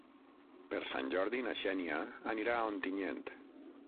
Per Sant Jordi na Xènia anirà a Ontinyent.